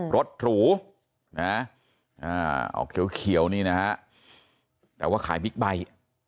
รถหรูนะออกเขียวนี่นะฮะแต่ว่าขายบิ๊กไบท์